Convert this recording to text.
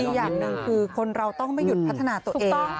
อย่างหนึ่งคือคนเราต้องไม่หยุดพัฒนาตัวเอง